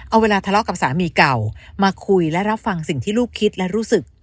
เอาเวลาทะเลาะกับสามีเก่ามาคุยและรับฟังสิ่งที่ลูกคิดและรู้สึก